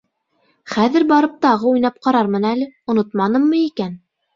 -Хәҙер барып тағы уйнап ҡарармын әле, онотманыммы икән.